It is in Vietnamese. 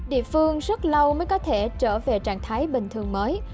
địa phương rất lâu mới có thể trở về trạng thái bình thường mới